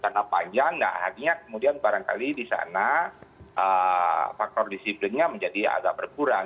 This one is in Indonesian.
karena panjang nah akhirnya kemudian barangkali di sana faktor disiplinnya menjadi agak berkurang